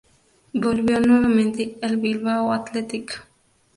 Volvió nuevamente, al Bilbao Athletic.